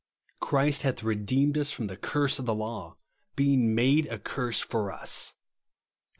"Christ hath redeemed us from the curse of the law, being onade a curse for us," (Gal.